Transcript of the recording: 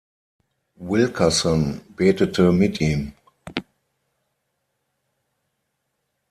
Wilkerson betete mit ihm.